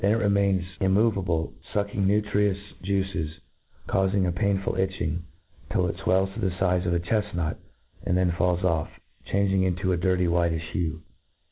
There it remains immoveable, fucking nutritious juices,' caufing a painful itch ing, till it fwells to the fize of a chefnut, and then falls off, changed into a dirty whitifh hue.